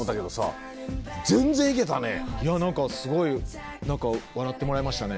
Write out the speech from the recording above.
いや何かすごい笑ってもらえましたね。